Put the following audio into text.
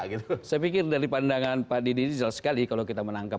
saya pikir dari pandangan pak didi ini jelas sekali kalau kita menangkap